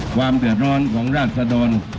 ความเดือดร้อนของราชดร